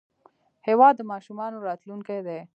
هېواد د ماشومانو راتلونکی دی.